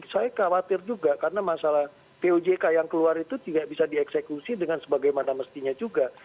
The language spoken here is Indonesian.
saya khawatir juga karena masalah pojk yang keluar itu tidak bisa dieksekusi dengan sebagaimana mestinya juga